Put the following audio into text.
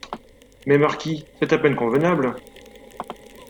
Mais, marquis, c'est à peine convenable.